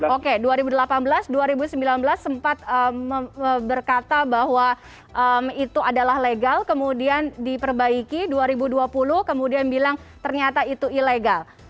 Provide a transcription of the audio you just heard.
oke dua ribu delapan belas dua ribu sembilan belas sempat berkata bahwa itu adalah legal kemudian diperbaiki dua ribu dua puluh kemudian bilang ternyata itu ilegal